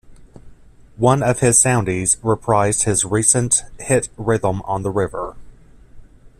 One of his Soundies reprised his recent hit Rhythm on the River.